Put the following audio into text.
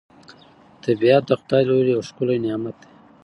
طبیعت د خدای له لوري یو ښکلی نعمت دی